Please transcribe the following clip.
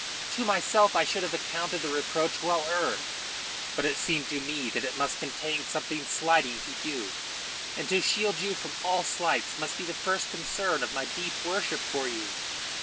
To myself I should have accounted the reproach well earned, but it seemed to me that it must contain something slighting to you, and to shield you from all slights must be the first concern of my deep worship for you.